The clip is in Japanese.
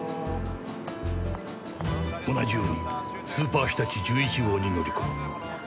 同じようにスーパーひたち１１号に乗り込む。